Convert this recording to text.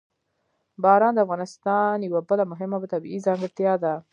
باران د افغانستان یوه بله مهمه طبیعي ځانګړتیا ده.